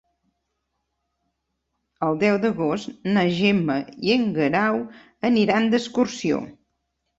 El deu d'agost na Gemma i en Guerau aniran d'excursió.